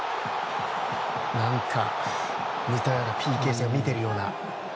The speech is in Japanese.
何か、似たようなＰＫ戦を見ているような。